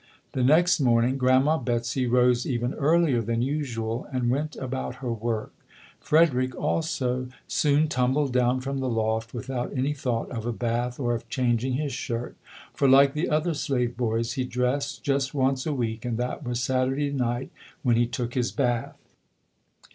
The next morning Grandma Betsy rose even earlier than usual and went about her work. Fred FREDERICK DOUGLASS [ 15 erick also soon tumbled down from the loft with out any thought of a bath or of changing his shirt, for, like the other slave boys, he dressed just once a week and that was Saturday night when he took his bath.